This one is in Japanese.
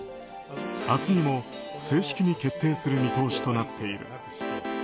明日にも正式に決定する見通しとなっている。